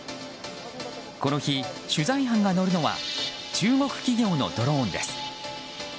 この日、取材班が乗るのは中国企業のドローンです。